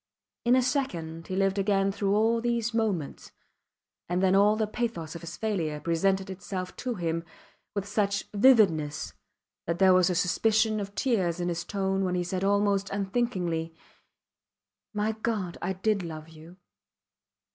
In a second he lived again through all these moments, and then all the pathos of his failure presented itself to him with such vividness that there was a suspicion of tears in his tone when he said almost unthinkingly, My God! I did love you!